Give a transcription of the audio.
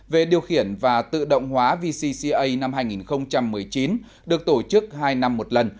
về điều khiển và tự động hóa vcca năm hai nghìn một mươi chín được tổ chức hai năm một lần